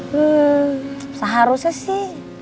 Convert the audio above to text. hmm seharusnya sih